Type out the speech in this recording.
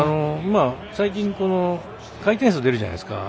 最近、回転数出るじゃないですか。